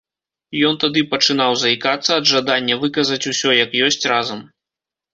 Ён тады пачынаў заікацца ад жадання выказаць усё як ёсць разам.